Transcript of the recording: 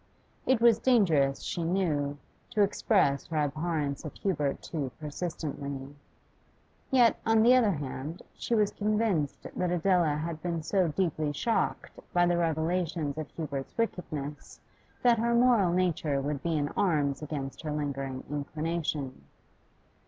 It was dangerous, she knew, to express her abhorrence of Hubert too persistently; yet, on the other hand, she was convinced that Adela had been so deeply shocked by the revelations of Hubert's wickedness that her moral nature would be in arms against her lingering inclination.